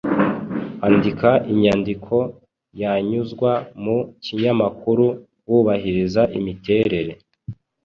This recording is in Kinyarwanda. Andika inyandiko yanyuzwa mu kinyamakuru wubahiriza imiterere